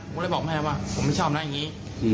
ผมก็เลยบอกแม่ว่าผมไม่ชอบนะอย่างนี้